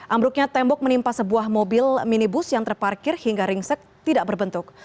ambruknya tembok menimpa sebuah mobil minibus yang terparkir hingga ringsek tidak berbentuk